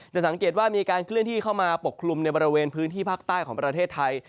สังเกตว่ามีการเคลื่อนที่เข้ามาปกคลุมในบริเวณพื้นที่ภาคใต้ของประเทศไทย